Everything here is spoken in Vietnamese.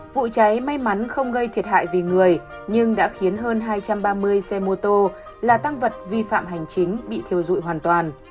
vụ cháy may mắn không gây thiệt hại về người nhưng đã khiến hơn hai trăm ba mươi xe mô tô là tăng vật vi phạm hành chính bị thiêu dụi hoàn toàn